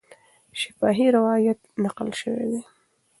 شفاهي روایت نقل سوی دی.